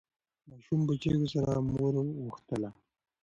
ماشوم په چیغو سره مور غوښتله.